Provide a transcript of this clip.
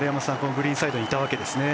グリーンサイドにいたわけですね。